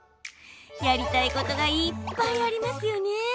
やりたいことがいっぱいありますよね。